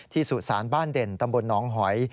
สุสานบ้านเด่นตำบลหนองหอย